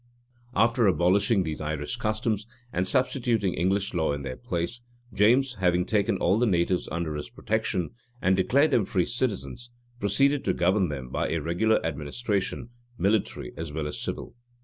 [*] After abolishing these Irish customs, and substituting English law in their place, James, having taken all the natives under his protection, and declared them free citizens, proceeded to govern them by a regular administration, military at well as civil.